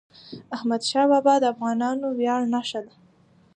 احمدشاه بابا د افغانانو د ویاړ نښه ده.